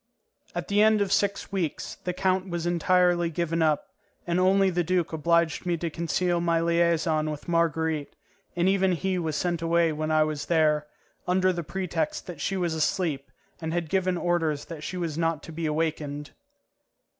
At the end of six weeks the count was entirely given up, and only the duke obliged me to conceal my liaison with Marguerite, and even he was sent away when I was there, under the pretext that she was asleep and had given orders that she was not to be awakened.